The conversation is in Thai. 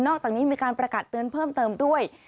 อกจากนี้มีการประกาศเตือนเพิ่มเติมด้วย